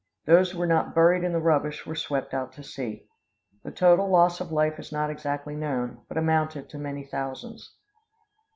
Those who were not buried in the rubbish were swept out to sea. The total loss of life is not exactly known, but amounted to many thousands.